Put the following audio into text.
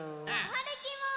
はるきも！